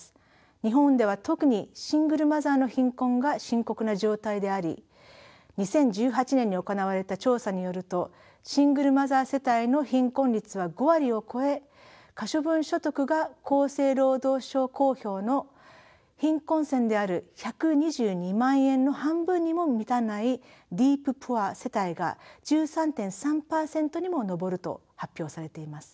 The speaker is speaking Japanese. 日本では特にシングルマザーの貧困が深刻な状態であり２０１８年に行われた調査によるとシングルマザー世帯の貧困率は５割を超え可処分所得が厚生労働省公表の貧困線である１２２万円の半分にも満たないディープ・プア世帯が１３．３％にも上ると発表されています。